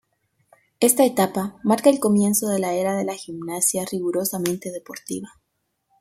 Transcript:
Esta etapa marca el comienzo de la era de la gimnasia rigurosamente deportiva.